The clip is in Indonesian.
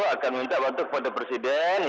akan minta waktu kepada presiden